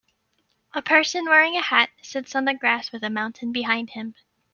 A person wearing a hat sits on the grass with a mountain behind him.